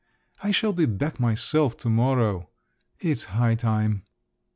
I shall be back myself to morrow … it's high time!"